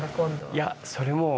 いやそれもう。